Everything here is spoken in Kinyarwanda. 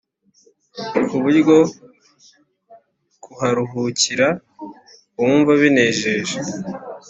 ku buryo kuharuhukira wumva binejeje.